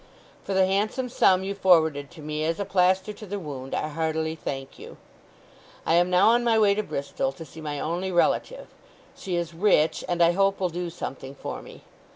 "For the handsome sum you forwarded to me as a plaster to the wound I heartily thank you. "I am now on my way to Bristol, to see my only relative. She is rich, and I hope will do something for me.